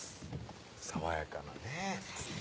爽やかなね